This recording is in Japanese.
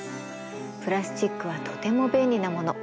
プラスチックはとても便利なもの。